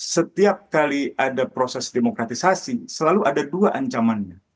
setiap kali ada proses demokratisasi selalu ada dua ancamannya